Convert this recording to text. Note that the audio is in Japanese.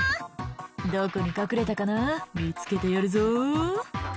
「どこに隠れたかな？見つけてやるぞ」